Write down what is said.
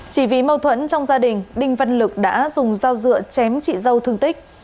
chỉ vì mâu thuẫn trong gia đình đinh văn lực đã dùng dao dựa chém chị dâu thương tích